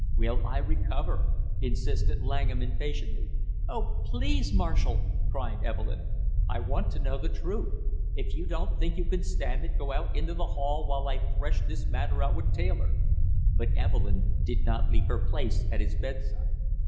"Will I recover?" insisted Langham impatiently. "Oh, please, Marshall!" cried Evelyn. "I want to know the truth! If you don't think you can stand it, go out into the hail while I thresh this matter out with Taylor!" But Evelyn did not leave her place at his bedside.